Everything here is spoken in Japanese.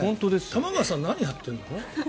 玉川さん何をやってるの？